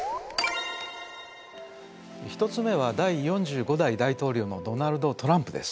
１つ目は第４５代大統領のドナルド・トランプです。